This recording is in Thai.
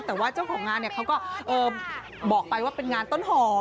แต่ว่าเจ้าของงานเขาก็บอกไปว่าเป็นงานต้นหอม